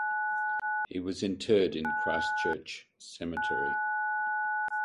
He was interred in Christ Church Cemetery.